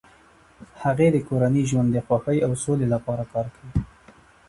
هغې د کورني ژوند د خوښۍ او سولې لپاره کار کوي.